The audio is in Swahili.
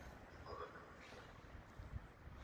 Katika miji na vijiji vidogo hautawahi kuona wenzi